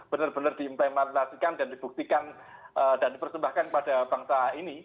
benar benar diimplementasikan dan dibuktikan dan dipersembahkan kepada bangsa ini